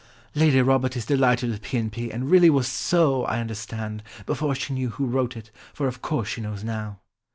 "Lady Robert is delighted with P. and P., and really was so, I understand, before she knew who wrote it, for, of course she knows now."